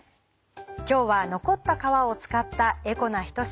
今日は残った皮を使ったエコなひと品。